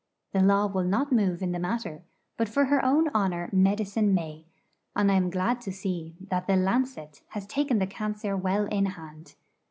The Law will not move in the matter; but for her own honour Medicine may; and I am glad to see that the 'Lancet' has taken the cancer well in hand.